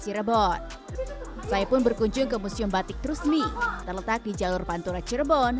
cirebon saya pun berkunjung ke museum batik terusmi terletak di jalur pantura cirebon